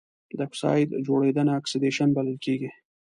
د اکسايډ جوړیدنه اکسیدیشن بلل کیږي.